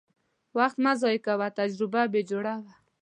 وخت مه ضایع کوه، تجربه جوړه وه.